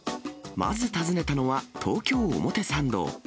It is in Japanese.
まず訪ねたのは、東京・表参道。